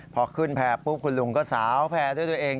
พอขึ้นแพร่ปุ๊บคุณลุงก็สาวแพร่ด้วยตัวเอง